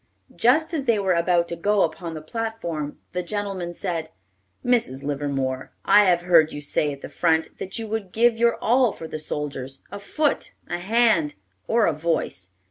Just as they were about to go upon the platform, the gentleman said, "Mrs. Livermore, I have heard you say at the front, that you would give your all for the soldiers, a foot, a hand, or a voice.